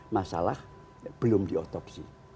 masalah belum diotopsi